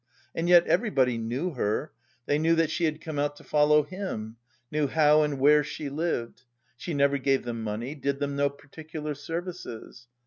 And yet everybody knew her, they knew that she had come out to follow him, knew how and where she lived. She never gave them money, did them no particular services.